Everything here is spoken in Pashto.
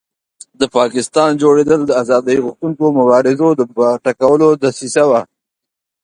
د پاکستان جوړېدل د آزادۍ غوښتونکو مبارزو د ټکولو دسیسه وه.